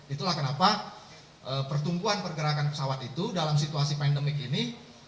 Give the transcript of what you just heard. itulah kenapa pertumbuhan pergerakan pesawat itu dalam situasi pandemik ini